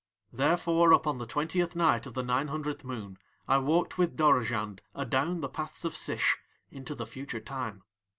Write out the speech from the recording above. "Therefore upon the twentieth night of the nine hundredth moon I walked with Dorozhand adown the paths of Sish into the future time.